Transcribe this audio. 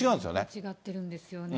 違ってるんですよね。